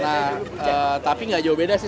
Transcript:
nah tapi nggak jauh beda sih